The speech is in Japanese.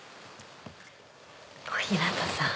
小日向さん。